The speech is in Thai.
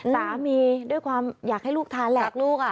สามีอยากให้ลูกทานแหลก